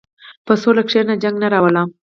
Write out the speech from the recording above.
په سوله کښېنه، جنګ نه راوله.